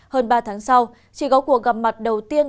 hơn ba tháng sau chị góp cuộc gặp mặt đầu tiên